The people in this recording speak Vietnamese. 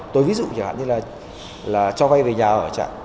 tôi ví dụ như là cho vay về nhà ở chẳng